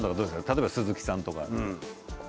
例えば鈴木さんとか。